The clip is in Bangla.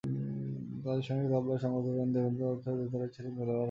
তাঁদের সঙ্গে তবলায় সংগত করেছেন দেবেন্দ্রনাথ চট্টোপাধ্যায়, দোতারায় ছিলেন দেলোয়ার হোসেন।